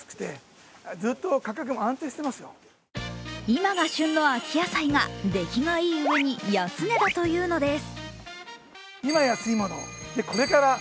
今が旬の秋野菜が出来がいいうえに安値だというのです。